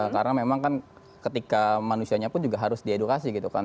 karena memang kan ketika manusianya pun juga harus diedukasi gitu kan